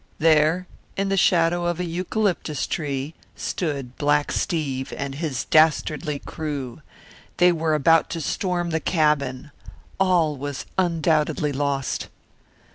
There in the shadow of a eucalyptus tree stood Black Steve and his dastardly crew. They were about to storm the cabin. All was undoubtedly lost.